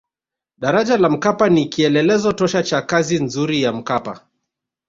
daraja la mkapa ni kielelezo tosha cha kazi nzuri ya mkapa